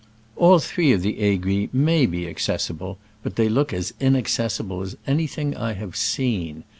All three of the Aiguilles may be ac cessible, but they look as inaccessible as anything I have seen.